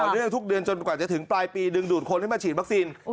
เรื่องทุกเดือนจนกว่าจะถึงปลายปีดึงดูดคนให้มาฉีดวัคซีน